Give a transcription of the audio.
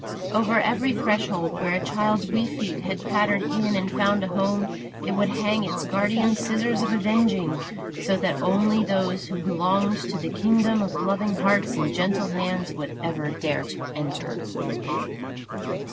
Over every threshold where a child's wee feet had pattered in and found a home, it would hang its guardian Scissors of Avenging, so that only those who belong to the kingdom of loving hearts and gentle hands would ever dare to enter.